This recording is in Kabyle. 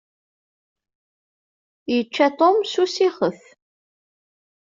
Yečča Tom s usixef.